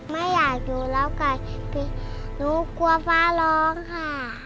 ไม่อยากอยู่แล้วไก่หนูกลัวฟ้าร้องค่ะ